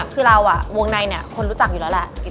คือเราอ่ะวงในเนี่ยคนรู้จักอยู่แล้วแหละ